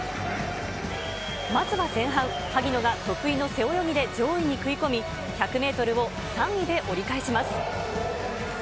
まずは前半、萩野が得意の背泳ぎで上位に食い込み、１００メートルを３位で折り返します。